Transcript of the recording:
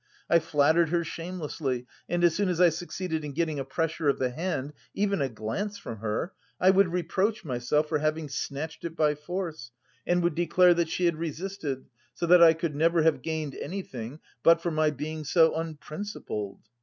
I flattered her shamelessly, and as soon as I succeeded in getting a pressure of the hand, even a glance from her, I would reproach myself for having snatched it by force, and would declare that she had resisted, so that I could never have gained anything but for my being so unprincipled.